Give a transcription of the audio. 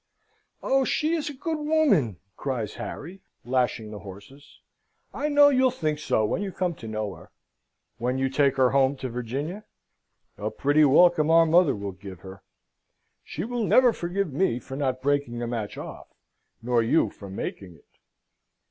"Oh, she is a good woman!" cries Harry, lashing the horses. "I know you'll think so when you come to know her." "When you take her home to Virginia? A pretty welcome our mother will give her. She will never forgive me for not breaking the match off, nor you for making it."